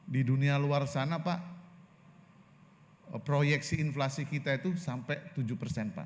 di dunia luar sana pak proyeksi inflasi kita itu sampai tujuan